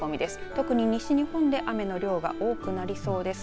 特に西日本で雨の量が多くなりそうです。